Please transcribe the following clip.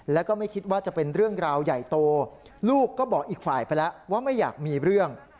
แล้วก็ไม่คิดว่าจะเป็นเรื่องราวใหญ่โตลูกก็บอกอีกฝ่ายไปแล้วว่าไม่อยากมีเรื่อง